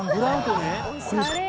これですか？